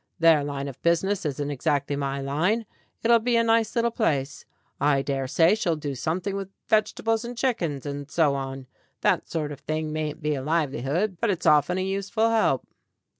Their line of business isn't exactly my line. It'll be a nice little place. I dare say she'll do something with vegetables and chickens, and so on. That sort of thing mayn't be a livelihood, but it's often a useful help."